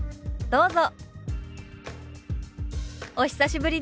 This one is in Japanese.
どうぞ。